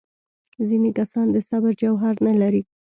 ځینې کسان د صبر جوهر نه لري.